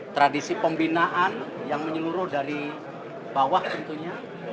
tradisi pembinaan yang menyeluruh dari bawah tentunya